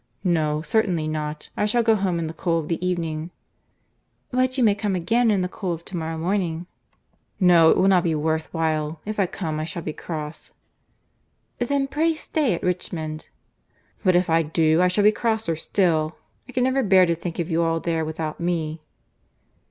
"No, certainly not; I shall go home in the cool of the evening." "But you may come again in the cool of to morrow morning." "No—It will not be worth while. If I come, I shall be cross." "Then pray stay at Richmond." "But if I do, I shall be crosser still. I can never bear to think of you all there without me."